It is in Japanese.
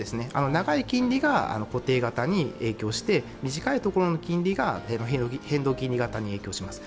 長い金利が固定型に影響して、短いところの金利が変動金利型に影響します。